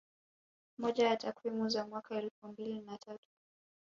Moja ya takwimu za mwaka elfu mbili na tatu